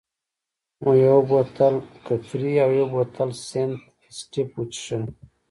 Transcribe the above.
مو یو بوتل کپري او یو بوتل سنت اېسټېف وڅېښل.